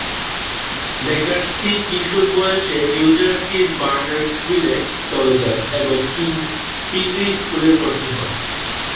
McCarthy কিশোর বয়সে নিউ জার্সির বার্নার্ডসভিলে চলে যান এবং পিংরি স্কুলে ভর্তি হন।